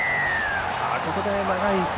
ここで長い笛。